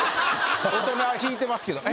大人はひいてますけど。